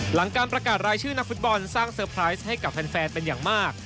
หลังการประกาศรายชื่อนักฟุตบอลสร้างเซอร์ไพรส์ให้กับแฟนเป็นอย่างมาก